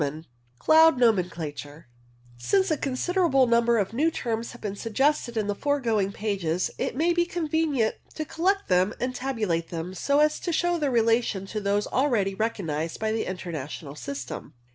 X CHAPTER X CLOUD NOMENCLATURE Since a considerable number of new terms have been suggested in the foregoing pages, it may be convenient to collect them and tabulate them, so as to show their relation to those already recognized by the International system.